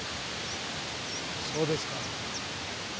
そうですか。